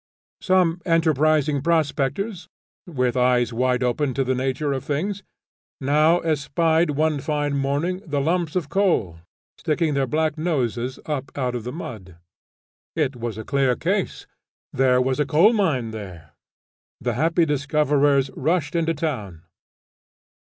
Some enterprising prospectors, with eyes wide open to the nature of things, now espied one fine morning the lumps of coal, sticking their black noses up out of the mud. It was a clear case there was a coal mine there! The happy discoverers rushed into town.